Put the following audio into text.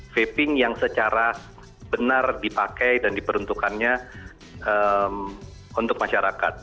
vaping yang secara benar dipakai dan diperuntukkannya untuk masyarakat